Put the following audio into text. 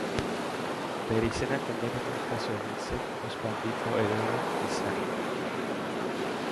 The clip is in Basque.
Bere izena kondairetan jaso egin zen ospe handiko heroia izanik.